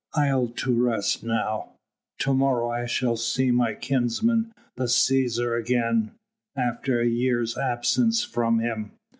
"I'll to rest now. To morrow I shall see my kinsman the Cæsar again, after a year's absence from him.